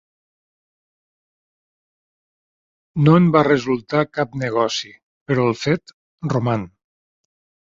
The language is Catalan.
No en va resultar cap negoci, però el fet roman.